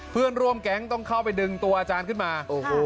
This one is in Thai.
เพื่อนร่วมแก๊งต้องเข้าไปดึงตัวอาจารย์ขึ้นมา